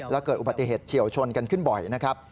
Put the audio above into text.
แล้วเกิดอุบัติเหตุเฉียวชนกันขึ้นบ่อยนะครับ